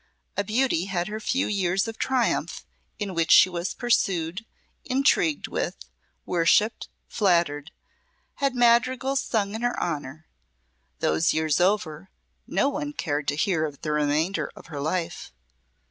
A beauty had her few years of triumph in which she was pursued, intrigued with, worshipped, flattered, had madrigals sung in her honour; those years over, no one cared to hear of the remainder of her life.